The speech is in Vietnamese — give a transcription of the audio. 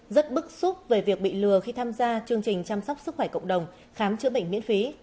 rất bức xúc về việc bị lừa khi tham gia chương trình chăm sóc sức khỏe cộng đồng khám chữa bệnh miễn phí